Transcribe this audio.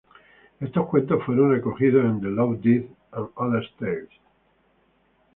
Estos cuentos fueron recogidos en "The Loved Dead and Other Tales".